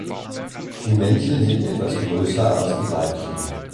Die Männchen sind etwas größer als die Weibchen.